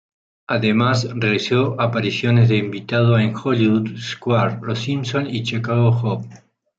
Además, realizó apariciones de invitado en "Hollywood Squares, Los Simpson" y "Chicago Hope".